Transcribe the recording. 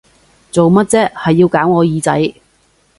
做咩啫，係要搞我耳仔！